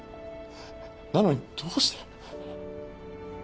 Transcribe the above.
なのにどうして。